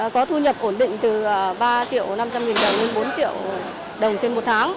có thu nhập ổn định từ ba triệu năm trăm linh nghìn đồng đến bốn triệu đồng trên một tháng